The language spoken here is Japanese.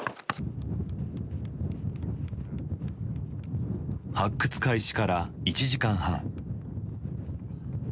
発掘開始から１時間半。